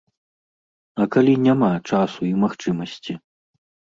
А калі няма часу і магчымасці?